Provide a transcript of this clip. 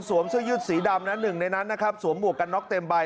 เสื้อยืดสีดำนะหนึ่งในนั้นนะครับสวมหวกกันน็อกเต็มใบ